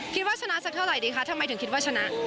คิดว่าชนะสักเท่าไหรดีคะทำไมถึงคิดว่าชนะ